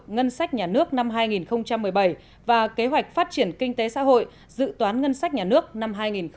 ngân sách nhà nước năm hai nghìn một mươi bảy và kế hoạch phát triển kinh tế xã hội dự toán ngân sách nhà nước năm hai nghìn một mươi chín